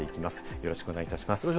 よろしくお願いします。